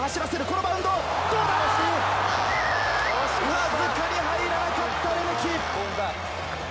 わずかに入らなかったレメキ！